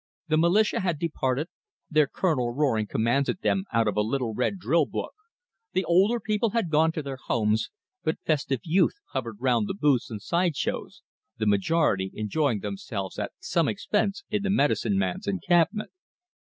The militia had departed, their Colonel roaring commands at them out of a little red drill book; the older people had gone to their homes, but festive youth hovered round the booths and sideshows, the majority enjoying themselves at some expense in the medicine man's encampment.